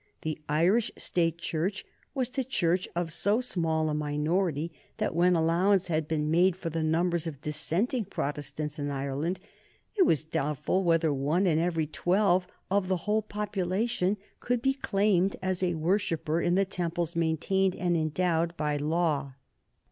The Irish State Church was the Church of so small a minority that, when allowance had been made for the numbers of dissenting Protestants in Ireland, it was doubtful whether one in every twelve of the whole population could be claimed as a worshipper in the temples maintained and endowed by law.